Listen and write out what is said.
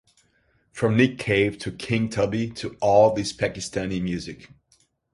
From Nick Cave to King Tubby to all this Pakistani music.